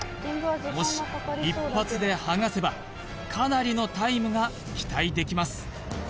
もし一発で剥がせばかなりのタイムが期待できます